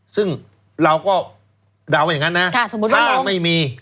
ซึ่งเราก็เดาว่าอย่างนั้นนะถ้าไม่มี